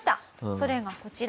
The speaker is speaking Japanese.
それがこちら。